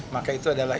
maka itu adalah